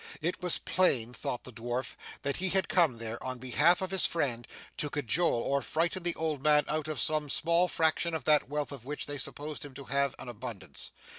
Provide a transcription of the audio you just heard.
It was plain, thought the dwarf, that he had come there, on behalf of his friend, to cajole or frighten the old man out of some small fraction of that wealth of which they supposed him to have an abundance.